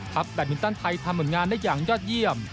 ทัพแบตวินต้านไทยทำหมดงานได้อย่างยอดเยี่ยม